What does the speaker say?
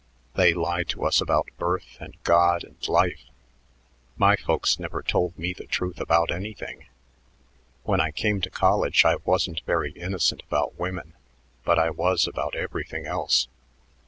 They lie to us about birth and God and life. My folks never told me the truth about anything. When I came to college I wasn't very innocent about women, but I was about everything else.